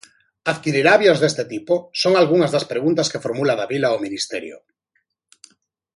Adquirirá avións deste tipo?, son algunhas das preguntas que formula Davila ao Ministerio.